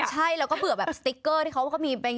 ใช่แล้วบันติมันเป็นสติกเกอร์ที่เขาอะไรกิ่ง